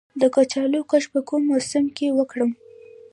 د کچالو کښت په کوم موسم کې وکړم؟